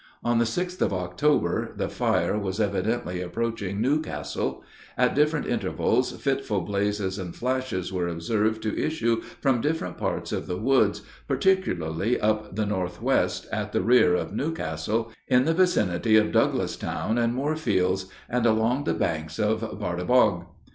On the 6th of October, the fire was evidently approaching New Castle; at different intervals fitful blazes and flashes were observed to issue from different parts of the woods, particularly up the northwest, at the rear of New Castle, in the vicinity of Douglasstown and Moorfields, and along the banks of the Bartibog.